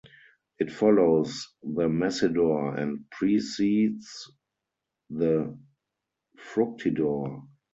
It follows the Messidor and precedes the Fructidor.